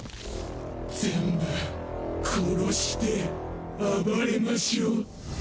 全部コロして暴れましょ。